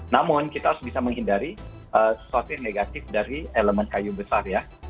namun kita harus bisa menghindari sesuatu yang negatif dari elemen kayu besar ya